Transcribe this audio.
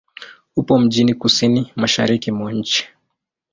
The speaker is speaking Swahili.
Upo mjini kusini-mashariki mwa nchi.